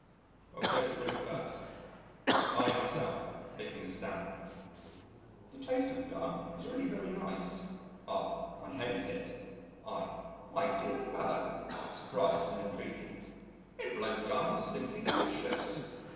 October 21. I myself (licking a stamp): "The taste of gum is really very nice." R.: "I hate it." I: "My dear fellow" (surprised and entreating), "envelope gum is simply delicious."